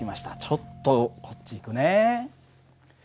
ちょっとこっち行くね。